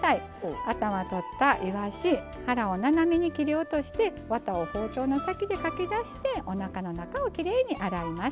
ワタは取ったいわし腹を斜めに切り落としてわたを包丁の先でかき出しておなかの中をきれいに洗います。